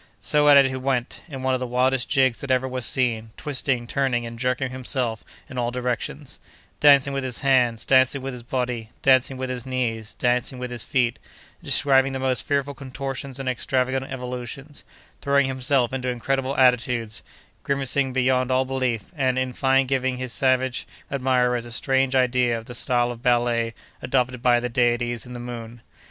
So at it he went, in one of the wildest jigs that ever was seen, twisting, turning, and jerking himself in all directions; dancing with his hands, dancing with his body, dancing with his knees, dancing with his feet; describing the most fearful contortions and extravagant evolutions; throwing himself into incredible attitudes; grimacing beyond all belief, and, in fine giving his savage admirers a strange idea of the style of ballet adopted by the deities in the moon.